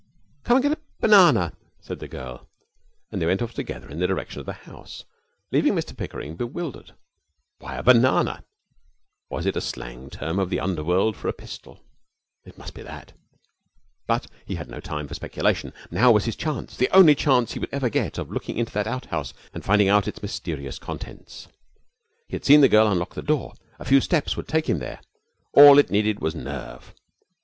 'Come and get a banana,' said the girl. And they went off together in the direction of the house, leaving Mr Pickering bewildered. Why a banana? Was it a slang term of the underworld for a pistol? It must be that. But he had no time for speculation. Now was his chance, the only chance he would ever get of looking into that outhouse and finding out its mysterious contents. He had seen the girl unlock the door. A few steps would take him there. All it needed was nerve.